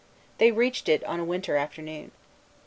They reached it on a winter afternoon.